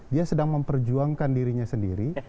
dia sedang memperjuangkan dirinya sendiri